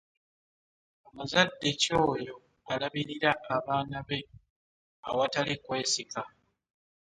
Omuzaade y'oyo alabirira abaana be awatali kwesika.